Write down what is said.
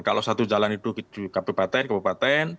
kalau satu jalan itu kppt